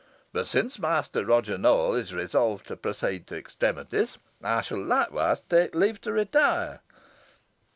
But, since Master Roger Nowell is resolved to proceed to extremities, I shall likewise take leave to retire."